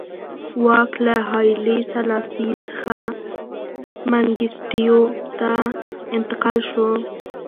واک له هایلي سلاسي څخه منګیسټیو ته انتقال شو.